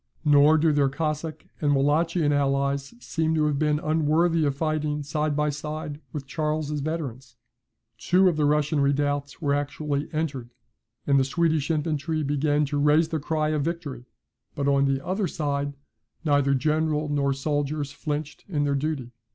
Nor do their Cossack and Wallachian allies seem to have been unworthy of fighting side by side with Charles's veterans. Two of the Russian redoubts were actually entered, and the Swedish infantry began to raise the cry of victory. But on the other side, neither general nor soldiers flinched in their duty.